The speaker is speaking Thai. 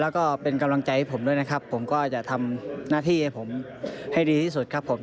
แล้วก็เป็นกำลังใจให้ผมด้วยนะครับผมก็จะทำหน้าที่ให้ผมให้ดีที่สุดครับผม